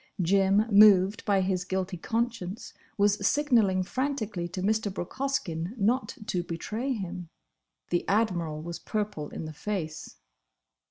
Jim—moved by his guilty conscience—was signalling frantically to Mr. Brooke Hoskyn not to betray him. The Admiral was purple in the face.